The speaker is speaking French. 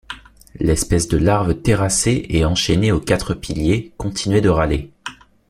L’espèce de larve terrassée et enchaînée aux quatre piliers continuait de râler.